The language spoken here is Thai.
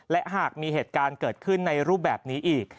และหากมีเหตุการณ์เกิดขึ้นในรูปแบบนี้อีก